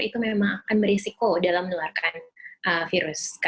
itu memang akan berisiko dalam menularkan virus